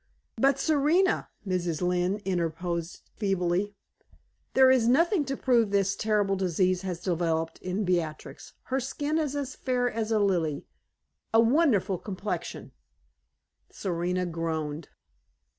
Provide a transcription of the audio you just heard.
"But, Serena," Mrs. Lynne interposes, feebly, "there is nothing to prove that this terrible disease has developed in Beatrix. Her skin is as fair as a lily a wonderful complexion " Serena groaned.